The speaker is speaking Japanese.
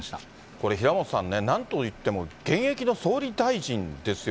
これ、平本さんね、なんといっても、現役の総理大臣ですよ。